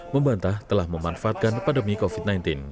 membantah telah memanfaatkan pandemi covid sembilan belas